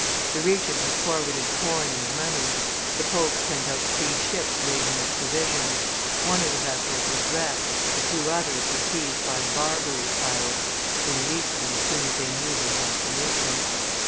The Regent had forwarded corn and money; the pope sent out three ships laden with provisions; one of the vessels was wrecked, the two others were seized by Barbary pirates, who released them as soon as they knew their destination.